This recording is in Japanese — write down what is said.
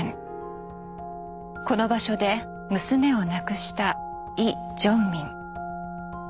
この場所で娘を亡くしたイ・ジョンミン。